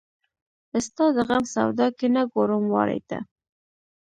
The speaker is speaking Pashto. ستا د غم سودا کې نه ګورم وارې ته